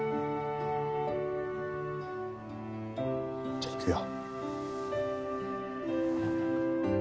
じゃあ行くよ。